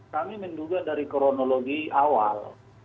kami menduga dari kronologi awal